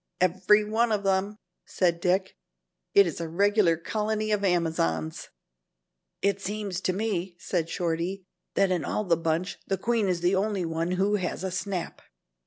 "Every one of them," said Dick. "It is a regular colony of Amazons." "It seems to me," said Shorty, "that in all the bunch the queen is the only one who has a snap."